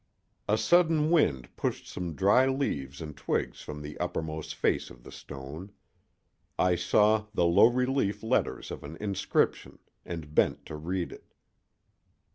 A sudden wind pushed some dry leaves and twigs from the uppermost face of the stone; I saw the low relief letters of an inscription and bent to read it.